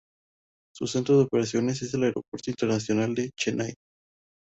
Su centro de operaciones es el Aeropuerto Internacional de Chennai.